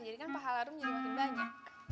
jadi kan pahala rum jadi makin banyak